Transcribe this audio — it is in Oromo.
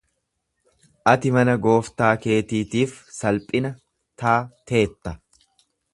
Ati mana gooftaa keetiitiif salphina ta'teetta.